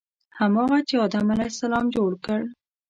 هماغه چې آدم علیه السلام جوړ کړ.